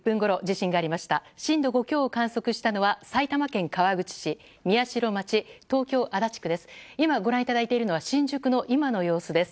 震度５強を観測したのは埼玉県川口市、宮代町東京・足立区です。